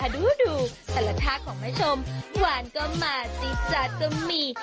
อดูดูแต่ละท่าของมันชมหวานก็มาจี๊จาจำมี่